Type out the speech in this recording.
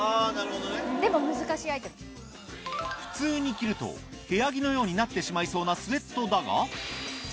普通に着ると部屋着のようになってしまいそうなスウェットだが続いて